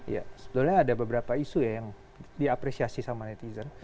ya sebetulnya ada beberapa isu ya yang diapresiasi sama netizen